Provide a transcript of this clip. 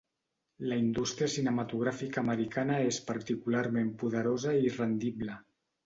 La indústria cinematogràfica americana és particularment poderosa i rendible.